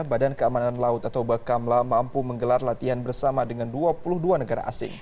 badan keamanan laut atau bakamla mampu menggelar latihan bersama dengan dua puluh dua negara asing